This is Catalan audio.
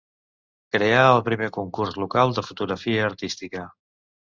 Creà el primer concurs local de fotografia artística.